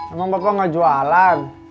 emang bakal gak jualan